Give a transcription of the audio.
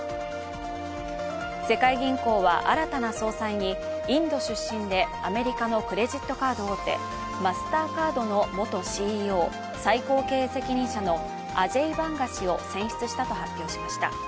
世界銀行は新たな総裁にインド出身でアメリカのクレジットカード大手マスターカードの元ＣＥＯ＝最高経営責任者のアジェイ・バンガ氏を選出したと発表しました。